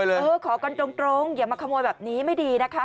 เออขอกันตรงอย่ามาขโมยแบบนี้ไม่ดีนะคะ